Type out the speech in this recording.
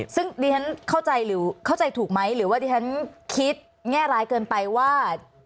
ซึ่งดิฉันเข้าใจหรือเข้าใจถูกไหมหรือว่าดิฉันคิดแง่ร้ายเกินไปว่า